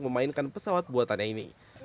memainkan pesawat buatannya ini